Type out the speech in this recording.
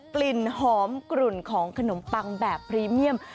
กลิ่นหอมกลุ่นของขนมปังแบบพรีเมียม